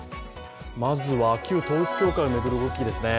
まずは旧統一教会を巡る動きですね。